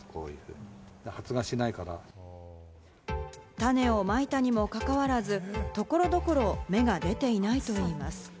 種をまいたにもかかわらず、所々、芽が出ていないといいます。